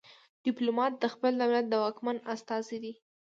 ډیپلومات د خپل دولت د واکمن استازی دی